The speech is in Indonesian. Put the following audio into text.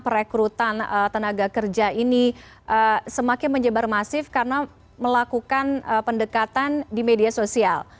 perekrutan tenaga kerja ini semakin menyebar masif karena melakukan pendekatan di media sosial